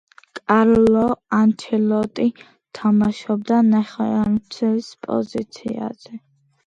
კარლო ანჩელოტი თამაშობდა ნახევარმცველის პოზიციაზე.